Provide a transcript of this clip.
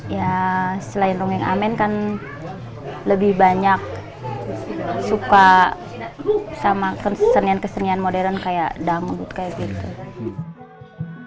ya selain rungeng amen kan lebih banyak suka sama kesenian kesenian modern kayak dangdut kayak gitu